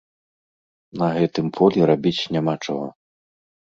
На гэтым полі рабіць няма чаго.